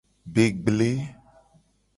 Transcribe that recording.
Be gble.